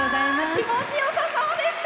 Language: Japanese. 気持ちよさそうでした。